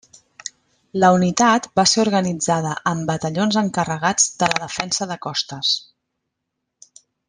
La unitat va ser organitzada amb batallons encarregats de la Defensa de Costes.